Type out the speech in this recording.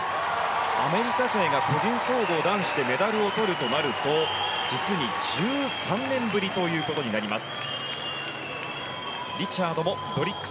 アメリカ勢が個人総合男子でメダルをとるとなると実に１３年ぶりということになります。